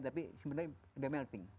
tapi sebenarnya melatih